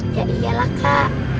ya iyalah kak